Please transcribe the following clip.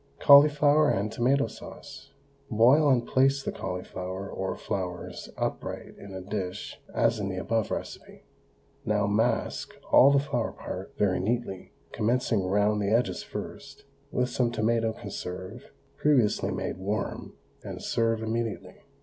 CAULIFLOWER AND TOMATO SAUCE. Boil and place the cauliflower or flowers upright in a dish as in the above recipe. Now mask all the flower part very neatly, commencing round the edges first, with some tomato conserve previously made warm, and serve immediately.